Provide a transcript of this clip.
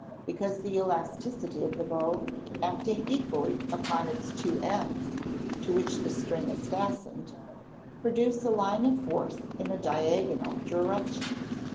_ Because the elasticity of the bow, acting equally upon its two ends, to which the string is fastened, produce a line of force in a diagonal direction.